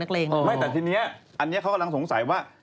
แต่ที่นี่อันนี้เค้ากำลังสงสัยว่า